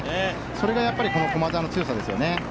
それがやっぱり駒澤の強さですよね。